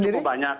itu cukup banyak